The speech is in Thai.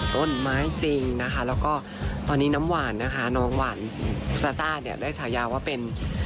ต้นไม้จริงนะคะแล้วก็ตอนนี้น้ำหวานนะคะน้องหวานซาซ่าเนี่ยได้ฉายาว่าเป็น